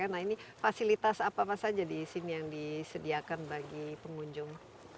nah ini fasilitas apa apa saja di sini yang disediakan bagi pengunjung